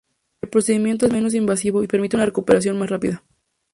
El procedimiento es menos invasivo y permite una recuperación más rápida.